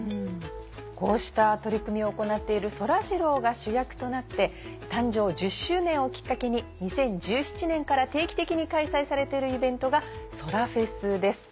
こうした取り組みを行っているそらジローが主役となって誕生１０周年をきっかけに２０１７年から定期的に開催されているイベントがそらフェスです。